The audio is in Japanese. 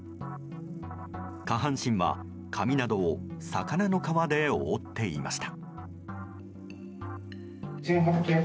下半身は、紙などを魚の皮で覆っていました。